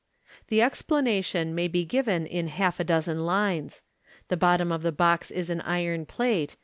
The explanation may be given in half a dozen lines. The bottom of the box is an iron plate.